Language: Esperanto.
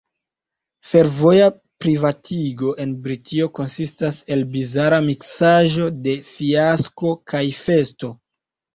Fervoja privatigo en Britio konsistas el bizara miksaĵo de fiasko kaj festo.